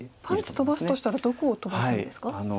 パンチ飛ばすとしたらどこを飛ばすんですか？